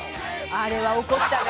あれは怒ったね。